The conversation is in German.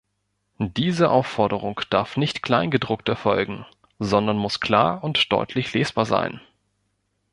Diese Aufforderung darf nicht klein gedruckt erfolgen, sondern muss klar und deutlich lesbar sein.